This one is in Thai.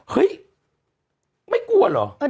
เฮ้ยไม่กลัวเหรอ